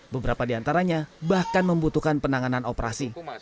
beberapa di antaranya bahkan membutuhkan penanganan operasi